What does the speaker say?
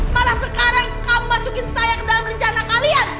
malah sekarang kau masukin saya ke dalam rencana kalian